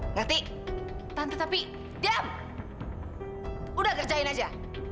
ngerti tante tapi dem udah kerjain aja